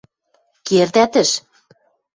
– Кердӓтӹш!